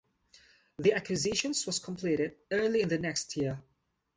The acquisition was completed early the next year.